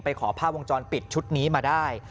ขอภาพวงจรปิดชุดนี้มาได้